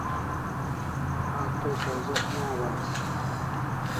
A to sawzek ne abais